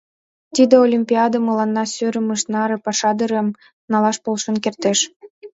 Тиде олимпиаде мыланна сӧрымышт наре пашадарым налаш полшен кертеш.